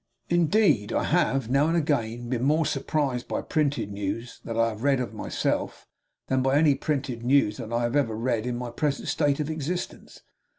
Indeed, I have, now and again, been more surprised by printed news that I have read of myself, than by any printed news that I have ever read in my present state of existence.